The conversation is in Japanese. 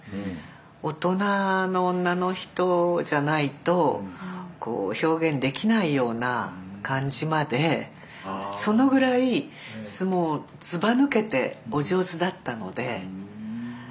大人の女の人じゃないとこう表現できないような感じまでそのぐらいもうずばぬけてお上手だったので。